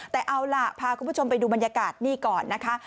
แต่เอาล่ะพาคุณผู้ชมไปดูบรรยากาศนี่ก่อนนะคะ